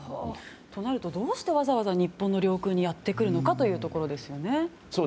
となると、どうしてわざわざ日本の領空にやってくるのかですよね。